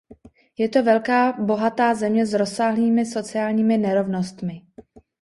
Je to velká, bohatá země s rozsáhlými sociálními nerovnostmi.